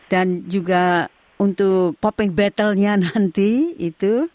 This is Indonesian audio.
dan juga untuk popping battle nya nanti itu